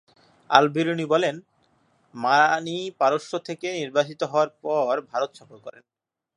আল-বিরুনি বলেন, মানি পারস্য থেকে নির্বাসিত হওয়ার পর ভারত সফর করেন।